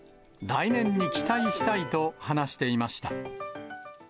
来年に期待したいと話していました。